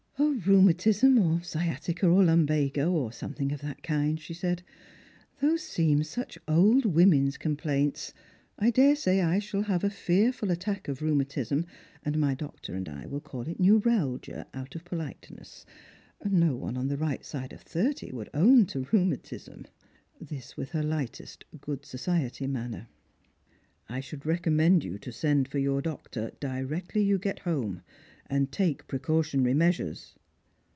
" Rheumatism, or sciatica, or lumbago, or something of that kind," she said ;" those seem such old women's complaints. I daresay I shall have a fearful attack of rheumatism, and my doctor and I will call it neuralgia, out of politeness. No one on the right side of thirty would own to rheumatism." This, with her lightest good society manner. " I should recommend you to send for your doctor directly you get home, and take precautionary measures."